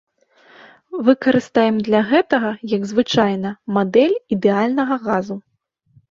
Выкарыстаем для гэтага, як звычайна, мадэль ідэальнага газу.